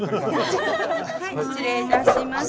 失礼いたします。